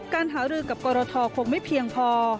การหารือกับกรทคงไม่เพียงพอ